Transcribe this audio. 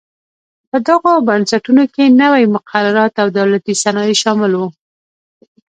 په دغو بنسټونو کې نوي مقررات او دولتي صنایع شامل و.